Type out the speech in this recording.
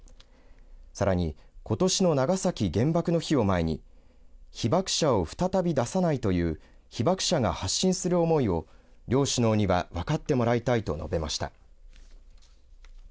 さらに、ことしの長崎原爆の日を前に被爆者を再び出さないという被爆者が発信する思いを両首脳には分かってもらいたいと述べました。